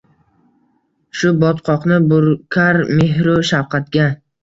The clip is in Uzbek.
Shu botqoqni burkar mehru shafqatga